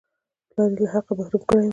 پلار یې له حقه محروم کړی وو.